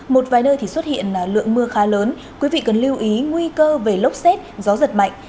một vài nơi thì xuất hiện lượng mưa khá lớn quý vị cần lưu ý nguy cơ về lốc xét gió giật mạnh